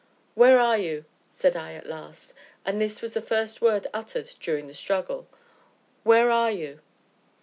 "Where are you?" said I at last, and this was the first word uttered during the struggle; "where are you?"